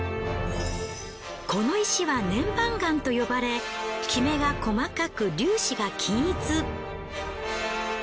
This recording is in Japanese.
この石は粘板岩と呼ばれキメが細かく粒子が均一。